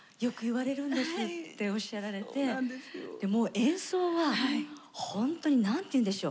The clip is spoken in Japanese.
演奏はほんとに何て言うんでしょう